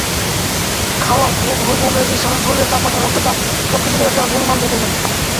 খাওয়া, ঘুম, হরমোনের নিঃসরণ, শরীরের তাপমাত্রা, রক্তচাপ— সবকিছুতেই একটা গোলমাল বেধে যায়।